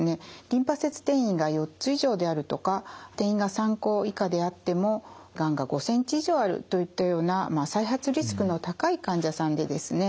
リンパ節転移が４つ以上であるとか転移が３個以下であってもがんが５センチ以上あるといったような再発リスクの高い患者さんでですね